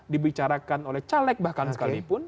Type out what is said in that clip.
dibicarakan oleh caleg bahkan sekalipun